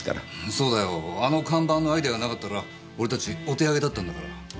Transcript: そうだよあの看板のアイデアがなかったら俺たちお手上げだったんだから。